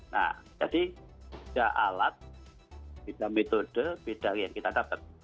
nah jadi tiga alat beda metode beda yang kita dapat